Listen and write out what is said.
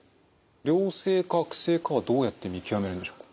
良性か悪性かはどうやって見極めるんでしょうか？